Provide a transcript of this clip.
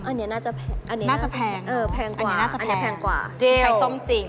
อันนี้น่าจะแพงอันนี้น่าจะแพงเออแพงกว่านี้น่าจะอันนี้แพงกว่าใช้ส้มจริง